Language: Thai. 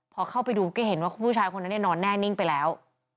พอเข้าไปดูก็เห็นว่าผู้ชายคนนั้นนอนแน่นิ่งไปแล้ว